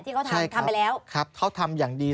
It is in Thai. ที่เขาทำทำไปแล้วครับเขาทำอย่างดี